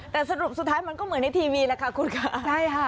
แต่สรุปสุดท้ายมันก็เหมือนในทีวีแหละค่ะคุณค่ะใช่ค่ะ